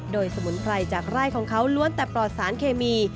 โดยสมุนไพรจากไร่ของเขาล้วนแต่ปลอดสารเคมี